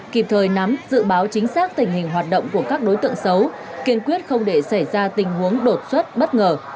kịp thời nắm dự báo chính xác tình hình hoạt động của các đối tượng xấu kiên quyết không để xảy ra tình huống đột xuất bất ngờ